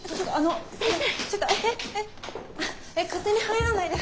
えっ勝手に入らないで。